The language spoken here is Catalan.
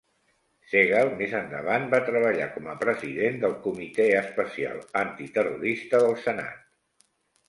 Segal més endavant va treballar com a president del comitè especial antiterrorista del senat.